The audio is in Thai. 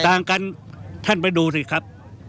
ต่างกันท่านไปดูสิครับ